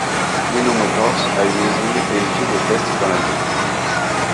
Hino Motors a une usine et une piste de test dans la ville.